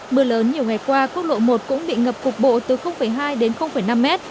mưa lớn nhiều ngày qua quốc lộ một cũng bị ngập cục bộ từ hai đến năm mét